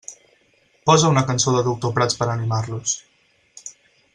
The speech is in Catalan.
Posa una cançó de Doctor Prats per animar-los.